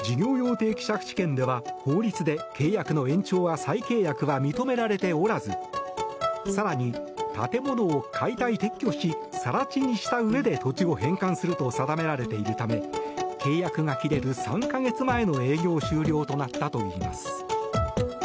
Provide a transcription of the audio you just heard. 定期借地権では法律で契約の延長や再契約は認められておらず更に建物を解体・撤去し更地にしたうえで土地を返還すると定められているため契約が切れる３か月前の営業終了となったといいます。